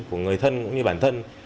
của người thân cũng như bản thân